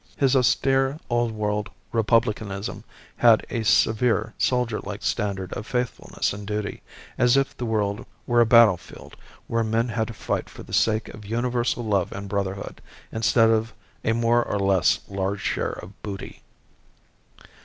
His austere, old world Republicanism had a severe, soldier like standard of faithfulness and duty, as if the world were a battlefield where men had to fight for the sake of universal love and brotherhood, instead of a more or less large share of booty.